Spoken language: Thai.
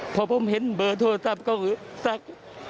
พอผมเห็นเบอร์โทรศัพท์ก็คือซัก